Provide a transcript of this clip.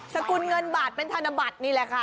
สกุลเงินบาทเป็นธนบัตรนี่แหละค่ะ